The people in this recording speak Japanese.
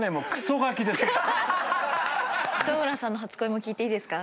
磯村さんの初恋も聞いていいですか？